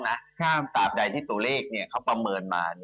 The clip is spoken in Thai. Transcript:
ตามแต่ว่าที่ตูเลกนี่เขาประเมินมา